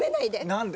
何で。